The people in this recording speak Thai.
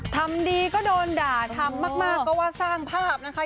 ทำดีก็โดนด่าทำมากก็ว่าสร้างภาพนะคะ